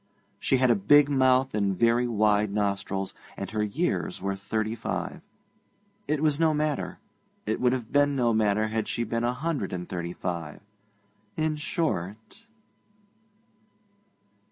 She had a big mouth and very wide nostrils, and her years were thirty five. It was no matter; it would have been no matter had she been a hundred and thirty five. In short....